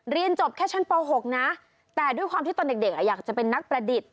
เรียนจบแค่ชั้นป๖นะแต่ด้วยความที่ตอนเด็กอยากจะเป็นนักประดิษฐ์